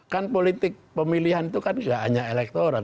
kan politik pemilihan itu kan tidak hanya elektoral